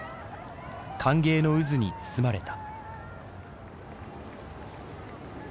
歓迎の渦に包まれた。